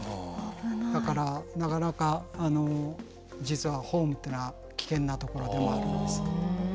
だからなかなか実はホームっていうのは危険なところでもあるんです。